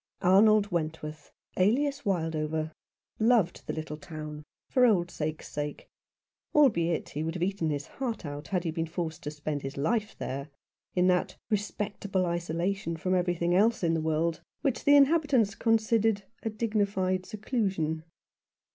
Arnold Wentworth — alias Wildover — loved the little town for old sake's sake, albeit he would have eaten his heart out had he been forced to spend his life there, in that respectable isolation from everything else in the world which the 61 Rough Justice. inhabitants considered a dignified seclusion.